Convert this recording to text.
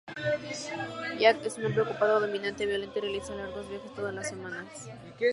Jack es un hombre ocupado, dominante, violento y realiza largos viajes todas las semanas.